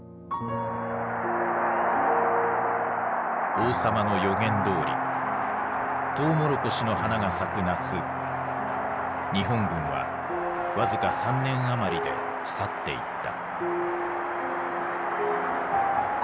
王様の予言どおりトウモロコシの花が咲く夏日本軍は僅か３年余りで去っていった。